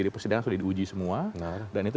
di persidangan sudah diuji semua dan itu